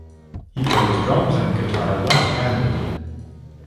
He plays drums and guitar left-handed.